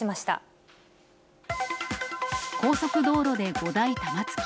高速道路で５台玉突き。